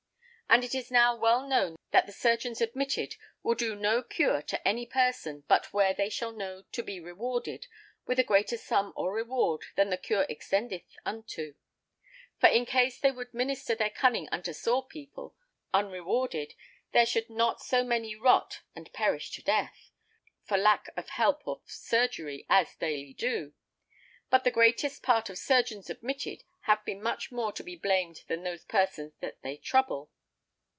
And it is now well known that the surgeons admitted will do no cure to any person, but where they shall know to be rewarded with a greater sum or reward than the cure extendeth unto: for in case they would minister their cunning unto sore people unrewarded there should not so many rot and perish to death, for lack of help of surgery, as daily do; but the greatest part of surgeons admitted have been much more to be blamed than those persons that they trouble."